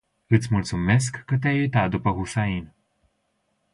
Iti multumesc ca te-ai uitat dupa Hussain.